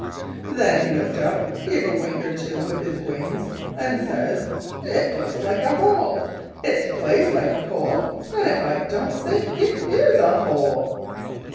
"Then he looked up, gave a wink or two with his wings, and says: 'It looks like a hole, it's placed like a hole and if I don't think it is a hole!'